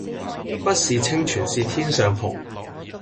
不是清泉是天上虹